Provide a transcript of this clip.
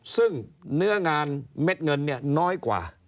ซึ่งเนื้องานเม็ดเงินเนี่ยน้อยกว่า